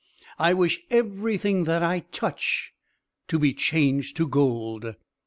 I wish everything that I touch to be changed to gold!"